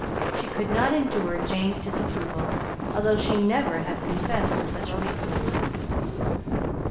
She could not endure Jane's disapproval, although she would never have confessed to such a weakness.